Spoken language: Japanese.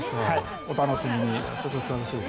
お楽しみに！